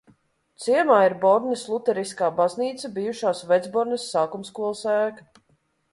Ciemā ir Bornes luteriskā baznīca, bijušās Vecbornes sākumskolas ēka.